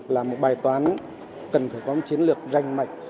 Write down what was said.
là một bài toán cần phải có một chiến lược ranh mạch